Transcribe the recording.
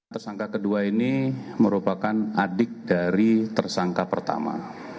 tersangka kedua ini merupakan adik dari tersangka pertama